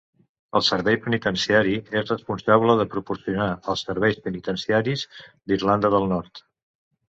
El Servei Penitenciari és responsable de proporcionar els serveis penitenciaris d'Irlanda del Nord.